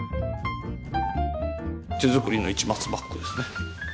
手作りの市松バッグですね。